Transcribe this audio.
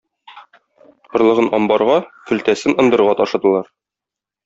Орлыгын амбарга, көлтәсен ындырга ташыдылар.